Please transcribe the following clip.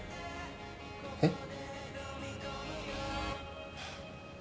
えっ？